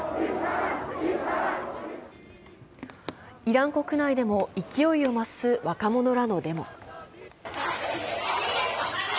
イラン国内でも勢いを増す若者らのデモ。